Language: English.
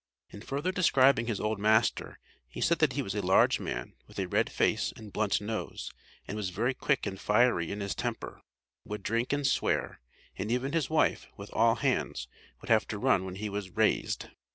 In further describing his old master, he said that he was a large man, with a red face and blunt nose, and was very quick and fiery in his temper; would drink and swear and even his wife, with all hands, would have to run when he was "raised."